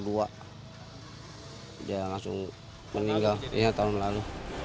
dia langsung meninggal ingat tahun lalu